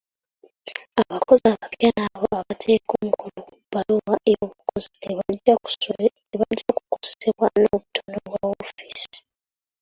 Abakozi abapya n'abo abaateeka omukono ku bbaluwa y'obukozi tebajja kukosebwa n'obutono bwa woofiisi.